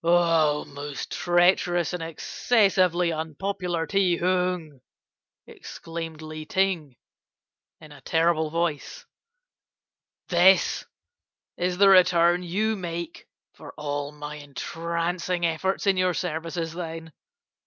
"'Oh, most treacherous and excessively unpopular Ti Hung,' exclaimed Li Ting, in a terrible voice, 'this is the return you make for all my entrancing efforts in your services, then?